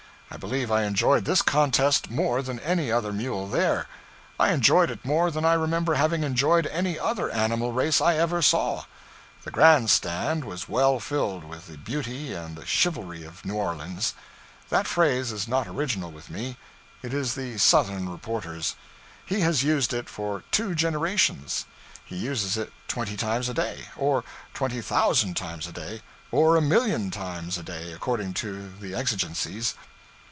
I believe I enjoyed this contest more than any other mule there. I enjoyed it more than I remember having enjoyed any other animal race I ever saw. The grand stand was well filled with the beauty and the chivalry of New Orleans. That phrase is not original with me. It is the Southern reporter's. He has used it for two generations. He uses it twenty times a day, or twenty thousand times a day; or a million times a day according to the exigencies.